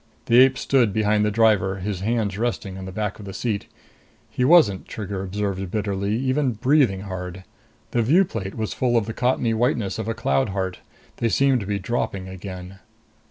The ape stood behind the driver, his hands resting on the back of the seat. He wasn't, Trigger observed bitterly, even breathing hard. The view plate was full of the cottony whiteness of a cloud heart. They seemed to be dropping again.